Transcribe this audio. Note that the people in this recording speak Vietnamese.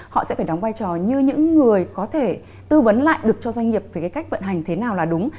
họ sẽ phải đóng vai trò như những người có thể tư vấn lại được cho doanh nghiệp về cái cách vận hành thế nào là đúng